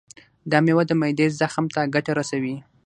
دا میوه د معدې زخم ته ګټه رسوي.